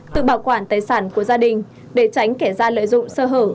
tự bảo quản tài sản của gia đình để tránh kẻ gian lợi dụng sơ hở